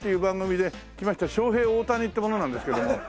ショウヘイオオタニって者なんですけども。